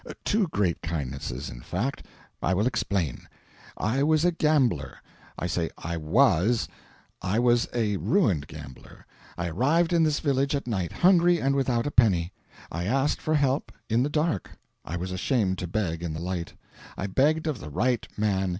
Two great kindnesses in fact. I will explain. I was a gambler. I say I WAS. I was a ruined gambler. I arrived in this village at night, hungry and without a penny. I asked for help in the dark; I was ashamed to beg in the light. I begged of the right man.